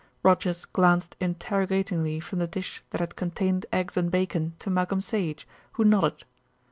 Rogers glanced interrogatingly from the dish that had contained eggs and bacon to Malcolm Sage, who nodded.